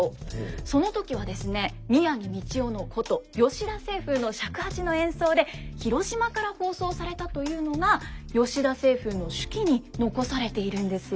その時はですね宮城道雄の箏吉田晴風の尺八の演奏で広島から放送されたというのが吉田晴風の手記に残されているんですよ。